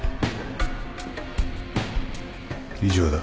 以上だ。